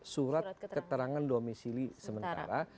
surat keterangan domisili sementara